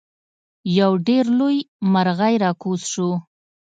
یو ډیر لوی مرغۍ راکوز شو.